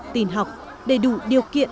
tình học đầy đủ điều kiện